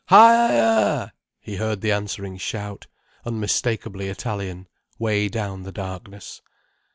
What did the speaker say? "Ha er er!" he heard the answering shout, unmistakably Italian, way down the darkness.